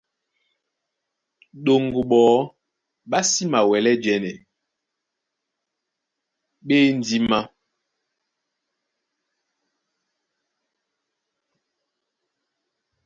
Ɗoŋgo ɓɔɔ́ ɓá sí mawɛlɛ́ jɛ́nɛ, ɓá e ndímá.